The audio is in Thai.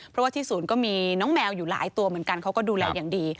เพราะว่าที่ศูนย์ก็มีน้องแมวอยู่หลายตัวเหมือนกันเขาก็ดูแลอย่างดี